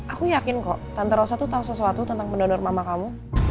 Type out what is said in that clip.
aku yakin kok tante rosa tuh tahu sesuatu tentang pendonor mama kamu